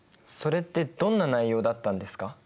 それってどんな内容だったんですか？